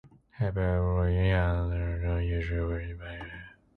However, Laihians are not usually offended by it.